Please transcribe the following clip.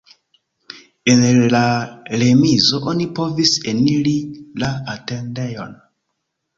El la remizo oni povis eniri la atendejon.